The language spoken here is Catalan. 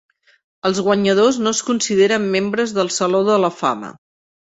Els guanyadors no es consideren membres del Saló de la Fama.